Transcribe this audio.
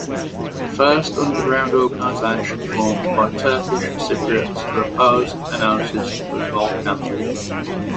The first underground organization formed by Turkish Cypriots to oppose enosis was Volkan.